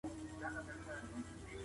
تاسو د خپل وزن په نورمال ساتلو بوخت یاست.